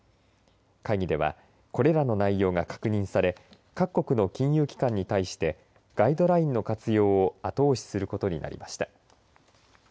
会議ではこれらの内容が確認され各国の金融機関に対してガイドラインの活用を後押しすることになりました。